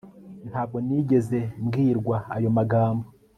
ntabwo nigeze mbwirwa ayo magambo